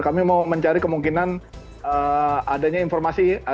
kami mau mencari kemungkinan adanya informasi